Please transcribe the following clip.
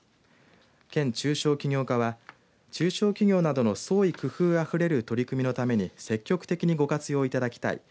県中小企業課は、中小企業などの創意工夫あふれる取り組みのために積極的にご活用いただきたい。